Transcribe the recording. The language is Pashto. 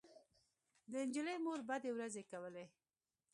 د نجلۍ مور بدې ورځې کولې